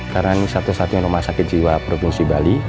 karena ini satu satunya rumah sakit jiwa provinsi bali